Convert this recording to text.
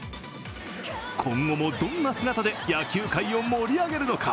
今後もどんな姿で野球界を盛り上げるのか。